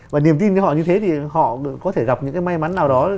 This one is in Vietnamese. và niềm tin với họ như thế thì họ có thể gặp những cái may mắn nào đó